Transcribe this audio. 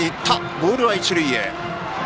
ボールは一塁へ。